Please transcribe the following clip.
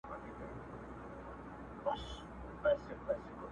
د جلال اباد هوا معتدله وي.